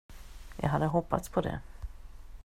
Jag hade hoppats på det.